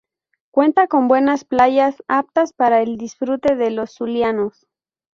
Cuenta con buenas playas aptas para el disfrute de los Zulianos.